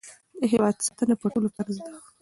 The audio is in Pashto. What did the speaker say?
د هېواد ساتنه په ټولو فرض ده.